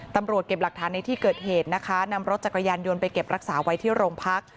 ตำรวจเก็บหลักฐานในที่เกิดเหตุนะคะนำรถจักรยานยนต์ไปเก็บรักษาไว้ที่โรงพัก